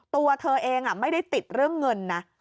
ตัวเธอเองไม่ได้ติดเรื่องเงินนะ